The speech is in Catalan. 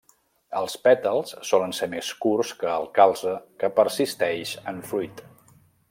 Els pètals solen ser més curts que el calze que persisteix en fruit.